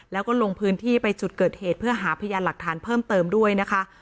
แล้วก็ลงพื้นที่ไปจุดเกิดเหตุเพื่อหาพยานหลักฐานเพิ่มเติมด้วยนะคะ